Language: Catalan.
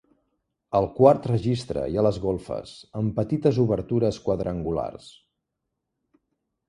Al quart registre hi ha les golfes, amb petites obertures quadrangulars.